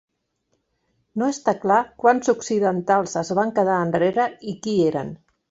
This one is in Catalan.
No està clar quants occidentals es van quedar enrere i qui eren.